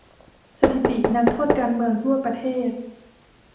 สถิตินักโทษการเมืองทั่วประเทศ